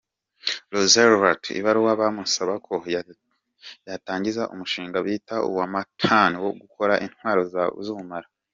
Roosevelt ibaruwa bamusaba ko yatangiza umushinga bitaga uwa Manhattan wo gukora intwaro z’ubumara.